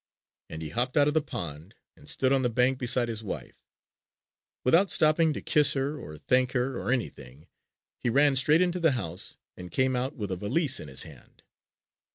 And he hopped out of the pond and stood on the bank beside his wife. Without stopping to kiss her or thank her or anything he ran straight into the house and came out with a valise in his hand.